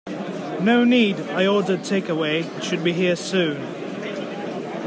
No need, I ordered take away, it should be here soon.